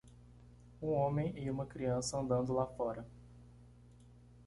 Um homem e uma criança andando lá fora.